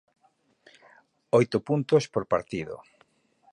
Oito puntos por partido.